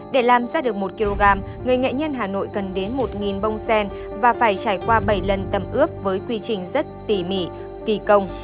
để làm ra được một kg người nghệ nhân hà nội cần đến một bông sen và phải trải qua bảy lần tầm ướp với quy trình rất tỉ mỉ kỳ công